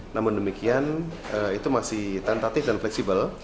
namun demikian itu masih tentatif dan fleksibel